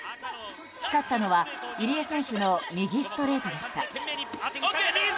光ったのは入江選手の右ストレートでした。